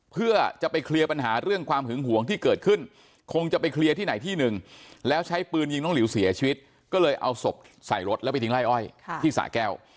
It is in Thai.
เพื่อจะไปเคลียร์ปัญหาเรื่องความหึงหวงที่เกิดขึ้นคงจะไปเคลียร์ที่ไหนที่หนึ่งแล้วใช้ปืนยิงน้องหลิวเสียชีวิตก็เลยเอาศพใส่รถแล้วไปทิ้งไล่อ้อยที่สาแก้ว